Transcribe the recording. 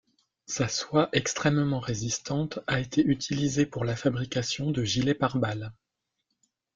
Sa soie extrêmement résistante a été utilisée pour la fabrication de gilets pare-balles.